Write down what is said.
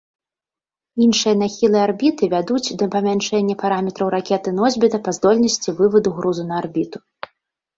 Іншыя нахілы арбіты вядуць да памяншэння параметраў ракеты-носьбіта па здольнасці вываду грузу на арбіту.